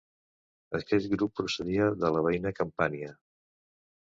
Aquest grup procedia de la veïna Campània.